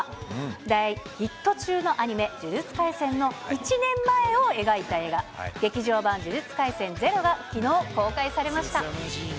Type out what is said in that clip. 大ヒット中のアニメ、呪術廻戦の１年前を描いた映画、劇場版呪術廻戦０がきのう公開されました。